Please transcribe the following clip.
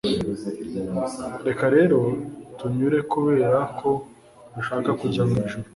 Reka rero tunyure kubera ko dushaka kujya mwijuru